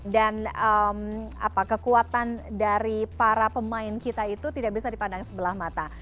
dan kekuatan dari para pemain kita itu tidak bisa dipandang sebelah mata